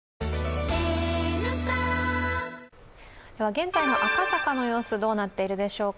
現在の赤坂の様子どうなっているでしょうか。